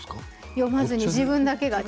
読まずに自分だけが。